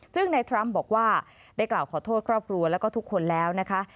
ซึ่งในทรัมป์บอกว่าได้กล่าวขอโทษครอบครัวแล้วก็ทุกคนแล้วนะคะ